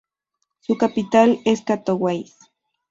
Su capital es Katowice.